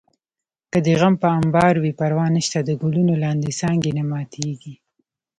که دې غم په امبار وي پروا نشته د ګلونو لاندې څانګه نه ماتېږي